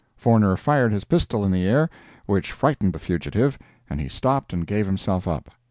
Forner fired his pistol in the air, which frightened the fugitive, and he stopped and gave himself up.